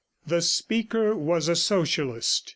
The speaker was a Socialist.